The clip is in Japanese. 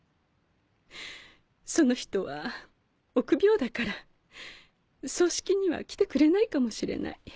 その人は臆病だから葬式には来てくれないかもしれない。